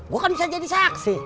gue kan bisa jadi saksi